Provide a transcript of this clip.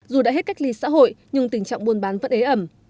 dù đã hết cách ly xã hội nhưng tình trạng buôn bán vẫn ế ẩm